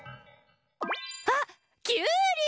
あっきゅうり！